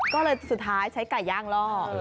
ก็เลยสุดท้ายใช้ไก่ย่างล่อ